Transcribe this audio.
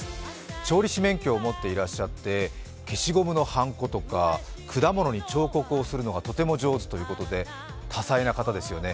調理師免許を持っていらっしゃって消しゴムのはんことか果物に彫刻をするのが、とても上手ということで多才な方ですよね。